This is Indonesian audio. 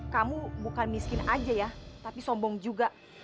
kamu bukan miskin aja ya tapi sombong juga